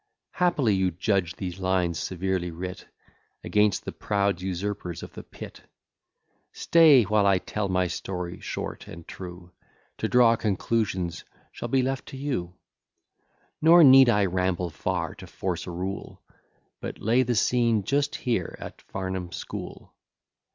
Haply you judge these lines severely writ Against the proud usurpers of the pit; Stay while I tell my story, short, and true; To draw conclusions shall be left to you; Nor need I ramble far to force a rule, But lay the scene just here at Farnham school.